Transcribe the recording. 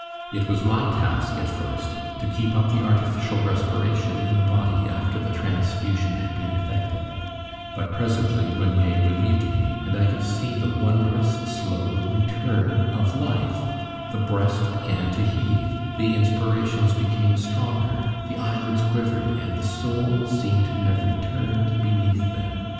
It was my task at first to keep up the artificial respiration in the body after the transfusion had been effected, but presently Meunier relieved me, and I could see the wondrous slow return of life; the breast began to heave, the inspirations became stronger, the eyelids quivered, and the soul seemed to have returned beneath them.